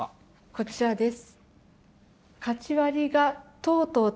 こちらです。